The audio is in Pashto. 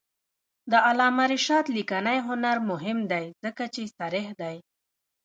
د علامه رشاد لیکنی هنر مهم دی ځکه چې صریح دی.